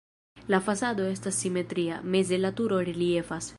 La fasado estas simetria, meze la turo reliefas.